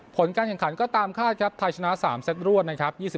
ผลการแข่งขันก็ตามคาดครับไทยชนะ๓เซตรวดนะครับ